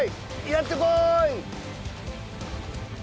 やってこい！